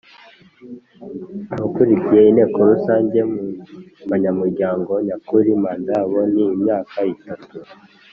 Abakuriye Inteko Rusange mu banyamuryango nyakuri manda yabo ni imyaka itatu